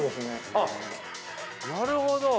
あっなるほど。